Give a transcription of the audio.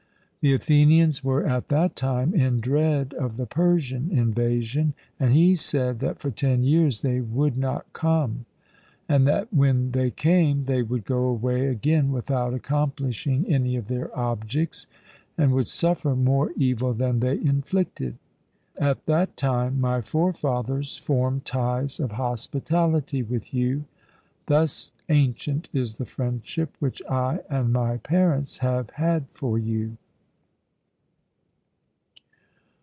The Athenians were at that time in dread of the Persian invasion; and he said that for ten years they would not come, and that when they came, they would go away again without accomplishing any of their objects, and would suffer more evil than they inflicted. At that time my forefathers formed ties of hospitality with you; thus ancient is the friendship which I and my parents have had for you.